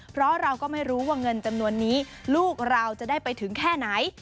เพราะเราก็ไม่รู้ว่าเงินจำนวนนี้ลูกเราจะได้ไปถึงแค่ไหน